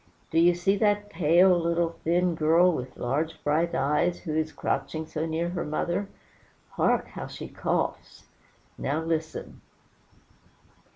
Do you see that pale, little, thin girl, with large, bright eyes, who is crouching so near her mother? hark! how she coughs. Now listen.